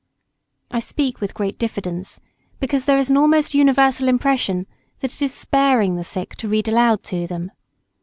I speak with great diffidence; because there is an almost universal impression that it is sparing the sick to read aloud to them.